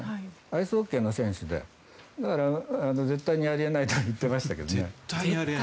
アイスホッケーの選手でだから絶対にあり得ないと言っていましたけどね。